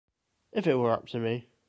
If it were up to me.